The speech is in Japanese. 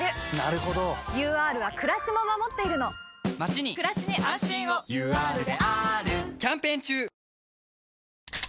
ＵＲはくらしも守っているのまちにくらしに安心をＵＲであーるキャンペーン中！